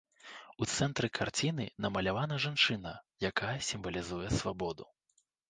У цэнтры карціны намалявана жанчына, якая сімвалізуе свабоду.